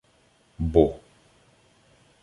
Бо.